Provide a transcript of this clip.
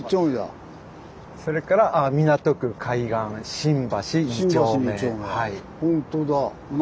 それから港区海岸新橋二丁目。